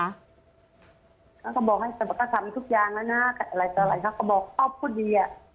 เขาก็บอกให้สมกสรรค์ทุกอย่างแล้วนะอะไรก็อะไรเขาก็บอกครอบครัวดี